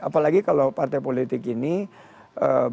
apalagi kalau partai politik ini berpen